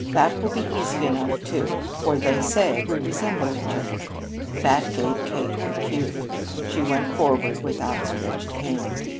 That will be easy enough, too, for they say we resemble each other." That gave Kate her cue. She went forward with outstretched hand.